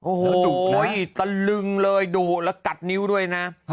โอ้โหตะลึงเลยดุแล้วกัดนิ้วด้วยนะ